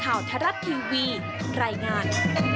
ข่าวทรัพย์ทีวีรายงาน